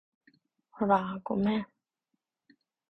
ほら、ごめん